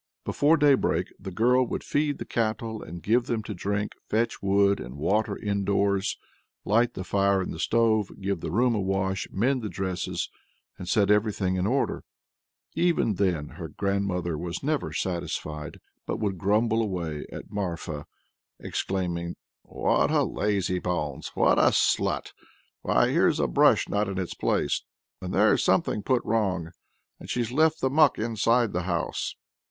Before daybreak the girl would feed the cattle and give them to drink, fetch wood and water indoors, light the fire in the stove, give the room a wash, mend the dresses, and set everything in order. Even then her stepmother was never satisfied, but would grumble away at Marfa, exclaiming: "What a lazybones! what a slut! Why here's a brush not in its place, and there's something put wrong, and she's left the muck inside the house!"